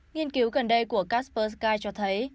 nghiên cứu gần đây của casper sky cho thấy